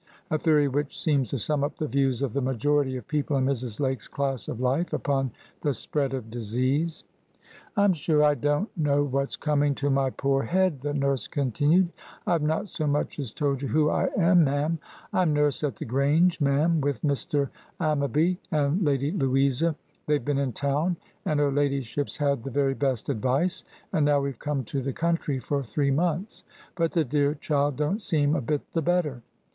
A theory which seems to sum up the views of the majority of people in Mrs. Lake's class of life upon the spread of disease. "I'm sure I don't know what's coming to my poor head," the nurse continued: "I've not so much as told you who I am, ma'am. I'm nurse at the Grange, ma'am, with Mr. Ammaby and Lady Louisa. They've been in town, and her ladyship's had the very best advice, and now we've come to the country for three months, but the dear child don't seem a bit the better.